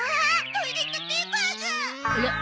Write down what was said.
トイレットペーパーが！あら？